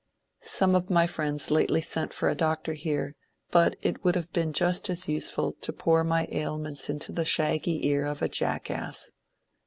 Some of my friends lately sent a doctor here, but it would have been just as useful to pour my ailments into the shaggy ear of a jackass.